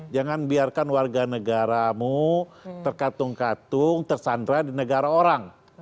jangan biarkan warga negaramu terkatung katung tersandra di negara orang